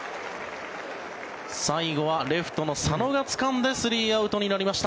最後はレフトの佐野がつかんで３アウトになりました。